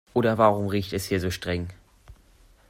Oder warum riecht es hier so streng?